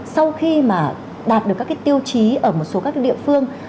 sau khi mà đạt được các tiêu chí ở một số các địa phương